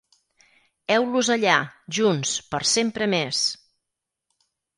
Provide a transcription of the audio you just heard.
Heus-los allà, junts, per sempre més!